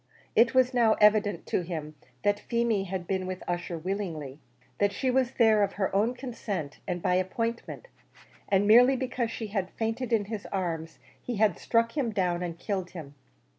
It was now evident to him that Feemy had been with Ussher willingly that she was there of her own consent and by appointment; and merely because she had fainted in his arms, he had struck him down and killed him.